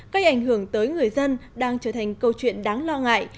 cách ảnh hưởng tới người dân đang trở thành câu chuyện đáng lo ngại